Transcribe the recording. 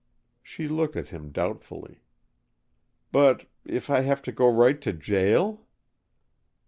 She looked at him doubtfully. "But if I have to go right to jail?"